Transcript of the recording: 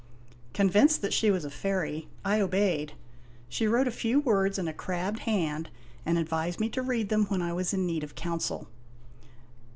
Convinced that she was a fairy, I obeyed. She wrote a few words in a crabbed hand, and advised me to read them when I was in need of counsel.